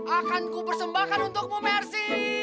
akanku bersembahkan untukmu mercy